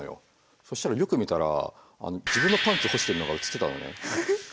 そしたらよく見たら自分のパンツ干してるのが写ってたのね。